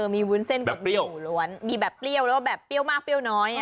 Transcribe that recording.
ค่ะแบบเปรี้ยวมีแบบเปรี้ยวแล้วแบบเปรี้ยวมากเปรี้ยวน้อย